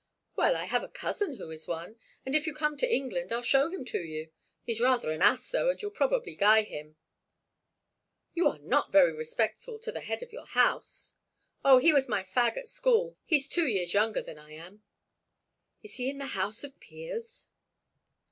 "Well, I have a cousin who is one, and if you like to come to England I'll show him to you. He's rather an ass, though, and you'll probably guy him." "You are not very respectful to the head of your house." "Oh, he was my fag at school—he's two years younger than I am." "Is he in the House of Peers?"